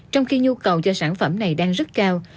trong khi nhu cầu cho sản phẩm này đang rất cao